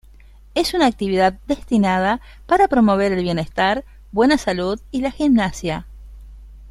Es una actividad destinada para promover el bienestar, buena salud, y la gimnasia.